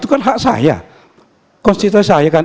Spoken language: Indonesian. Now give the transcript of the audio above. itu kan hak saya